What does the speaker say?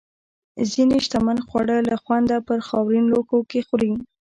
ځینې شتمن خواړه له خونده په خاورین لوښو کې خوري.